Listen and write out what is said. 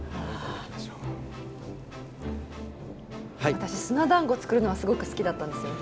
私砂団子作るのはすごく好きだったんですよ。